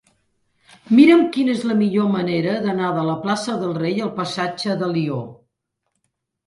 Mira'm quina és la millor manera d'anar de la plaça del Rei al passatge d'Alió.